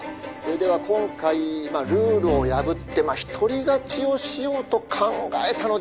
では今回ルールを破って一人勝ちをしようと考えたのでは」。